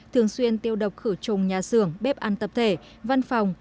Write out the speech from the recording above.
thường xuyên tiêu độc khử trùng nhà xưởng bếp ăn tập thể văn phòng